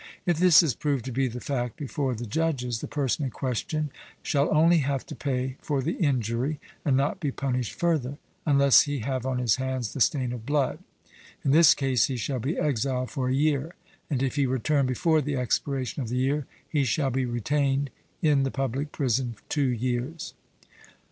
If this is proved to be the fact before the judges, the person in question shall only have to pay for the injury, and not be punished further, unless he have on his hands the stain of blood. In this case he shall be exiled for a year, and if he return before the expiration of the year, he shall be retained in the public prison two years.